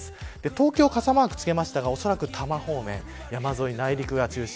東京に傘マークを付けましたがおそらく多摩方面山沿い、内陸が中心。